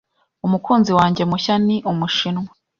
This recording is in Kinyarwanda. Umukunzi wanjye mushya ni Umushinwa.